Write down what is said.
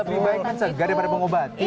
lebih baik kan segera daripada mau obat